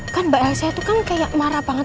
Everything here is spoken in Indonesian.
kan mbak elsa itu kan kayak marah banget